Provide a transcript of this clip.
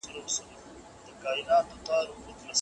که هنر وکارول سي، نو کار اسانه کېږي.